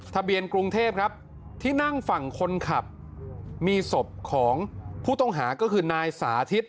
ทะเบียนกรุงเทพครับที่นั่งฝั่งคนขับมีศพของผู้ต้องหาก็คือนายสาธิต